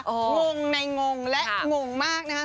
งงในงงและงงมากนะครับ